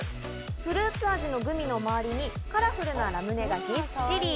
フルーツ味のグミの周りにカラフルなラムネがぎっしり。